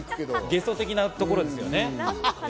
ゲソ的なところですね。